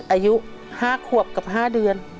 อายุ๕ขวบกับ๕เดือน